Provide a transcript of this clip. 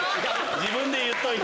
自分で言っといて。